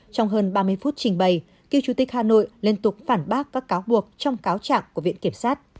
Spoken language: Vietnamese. trong hơn ba mươi phút trình bày cựu chủ tịch hà nội liên tục phản bác các cáo buộc trong cáo trạng của viện kiểm sát